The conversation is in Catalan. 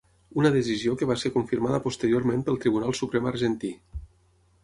Una decisió que va ser confirmada posteriorment pel Tribunal Suprem argentí.